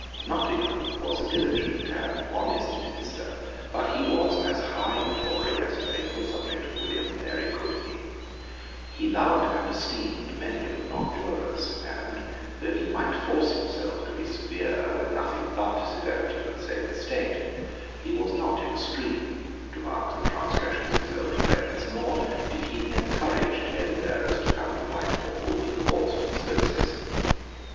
Nottingham was a diligent and honest minister; but he was as high a Tory as a faithful subject of William and Mary could be; he loved and esteemed many of the nonjurors; and, though he might force himself to be severe when nothing but severity could save the State, he was not extreme to mark the transgressions of his old friends; nor did he encourage talebearers to come to Whitehall with reports of conspiracies.